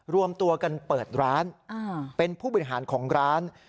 รวมตัวกันเปิดร้านเป็นผู้บริหารของร้าน